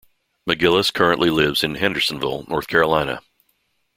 McGillis currently lives in Hendersonville, North Carolina.